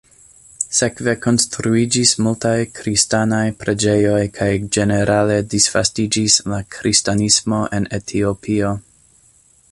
Sekve konstruiĝis multaj kristanaj preĝejoj kaj ĝenerale disvastiĝis la kristanismo en Etiopio.